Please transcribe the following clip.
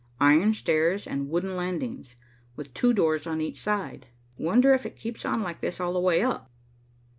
"Iron stairs and wooden landings, with two doors on each side. Wonder if it keeps on like this all the way up?"